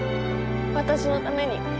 私のために。